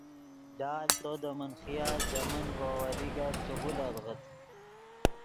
لال تو دے من خیال ژے من ڤے اوّلی گپ چے غولیتغت